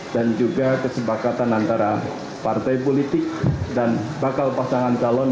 dan juga kesepakatan antara partai politik dan bakal pasangan calon